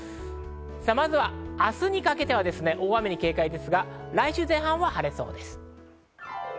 まずは明日にかけては大雨に警戒ですが来週前半は晴れそうです。